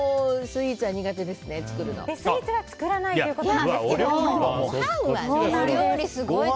スイーツは作らないということですが。